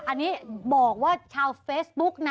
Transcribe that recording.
อันนี้บอกว่าชาวเฟซบุ๊กนะ